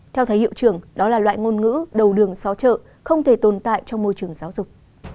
theo thấy hiệu trưởng đó là loại ngôn ngữ đầu đường xáo trợ không thể tồn tại trong môi trường giáo dục